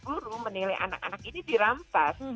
guru menilai anak anak ini dirampas